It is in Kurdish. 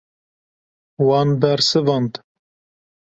Wan bersivand.